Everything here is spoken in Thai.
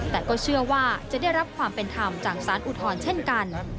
แต่ก็เชื่อว่าจะได้รับความเป็นธรรมจากสารอุทธรณ์เช่นกัน